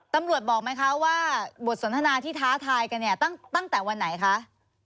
บอกไหมคะว่าบทสนทนาที่ท้าทายกันเนี่ยตั้งแต่วันไหนคะ